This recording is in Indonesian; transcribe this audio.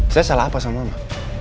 saya salah apa sama mbak